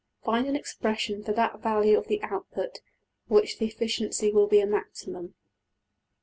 Find an expression for that value of the output at which the efficiency will be a maximum.